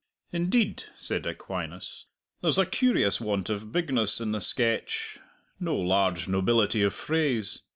"Indeed," said Aquinas, "there's a curious want of bigness in the sketch no large nobility of phrase.